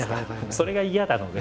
それが嫌なので。